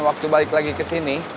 waktu balik lagi ke sini